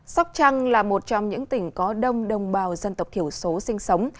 sóc trăng là một trong những tỉnh có đông đồng bào dân tộc thiểu số sinh sống